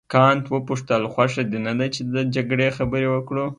کانت وپوښتل خوښه دې نه ده چې د جګړې خبرې وکړو.